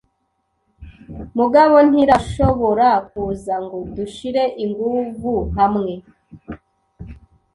mugabo ntirashobora kuza ngo dushire inguvu hamwe.